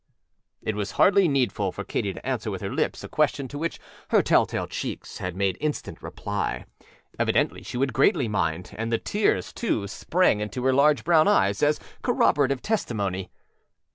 â It was hardly needful for Katy to answer with her lips a question to which her telltale cheeks had made instant reply. Evidently she would greatly mind; and the tears, too, sprang into her large brown eyes as corroborative testimony.